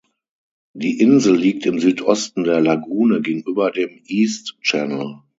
Die Insel liegt im Südosten der Lagune gegenüber dem "East Channel".